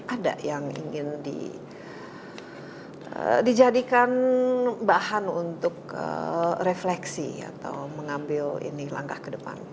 ada yang ingin dijadikan bahan untuk refleksi atau mengambil langkah ke depan